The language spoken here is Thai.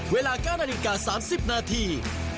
เวลา๙นาฬิกา๓๐นาที